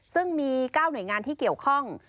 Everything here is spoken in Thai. ซึ่งมี๙หน่วยงานที่เกี่ยวข้อง